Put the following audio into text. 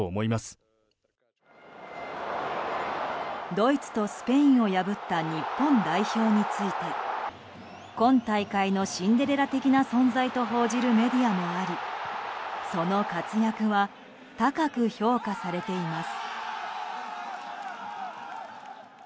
ドイツとスペインを破った日本代表について今大会のシンデレラ的な存在と報じるメディアもありその活躍は高く評価されています。